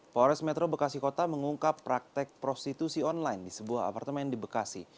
polres metro bekasi kota mengungkap praktek prostitusi online di sebuah apartemen di bekasi